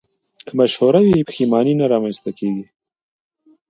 که مشوره وي نو پښیماني نه راځي.